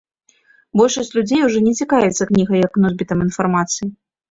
Большасць людзей ужо не цікавіцца кнігай як носьбітам інфармацыі.